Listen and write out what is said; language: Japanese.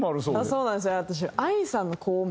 そうなんです私。